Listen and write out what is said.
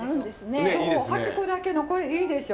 ８個だけのこれいいでしょ。